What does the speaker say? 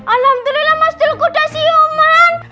alhamdulillah mas dulku udah siuman